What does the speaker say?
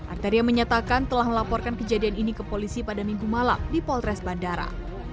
arteria menyatakan telah melaporkan kejadian ini ke polisi pada minggu malam di polres bandara